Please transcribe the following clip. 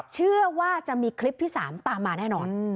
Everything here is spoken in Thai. เชื่อว่าจะมีคลิปที่๓ตามมาแน่นอน